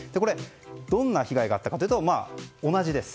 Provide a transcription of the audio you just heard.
どんな被害があったかというと同じです。